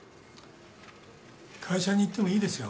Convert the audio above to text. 会社に言ってもいいですよ。